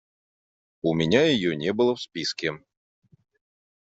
У меня ее не было в списке.